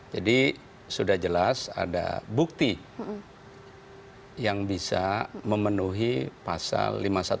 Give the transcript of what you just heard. jadi sudah jelas ada bukti yang bisa memenuhi pasal lima ratus delapan belas